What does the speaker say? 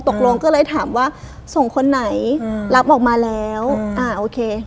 ตกลงก็เลยถามว่าส่งคนไหนอืมรับออกมาแล้วอ่าโอเค